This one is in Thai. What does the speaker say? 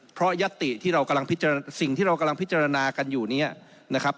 เพราะยัตติที่เรากำลังพิจารณาสิ่งที่เรากำลังพิจารณากันอยู่เนี่ยนะครับ